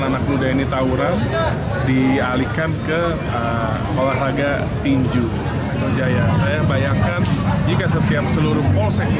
anak muda ini taura dialihkan ke olahraga tinju metro jaya saya bayangkan jika setiap seluruh polsek